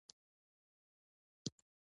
آیا کاناډا د کاغذ تولیدات نلري؟